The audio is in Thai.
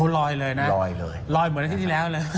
ลอยเลยนะลอยเลยลอยเหมือนอาทิตย์ที่แล้วเลย